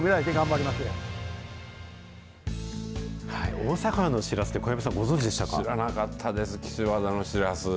大阪湾のシラスって、小籔さん、知らなかったです、岸和田のシラス。